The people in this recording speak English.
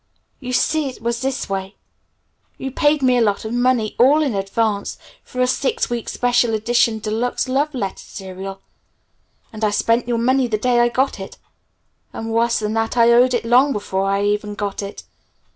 "You see it was just this way. You paid me a lot of money all in advance for a six weeks' special edition de luxe Love Letter Serial. And I spent your money the day I got it; and worse than that I owed it long before I even got it!